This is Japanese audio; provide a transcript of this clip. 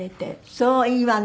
そういいわね！